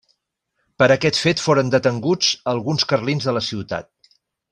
Per aquest fet foren detenguts alguns carlins de la ciutat.